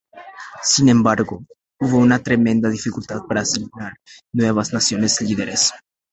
Sin embargo, hubo una tremenda dificultad para asignar nuevas naciones líderes.